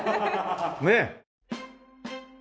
ねえ。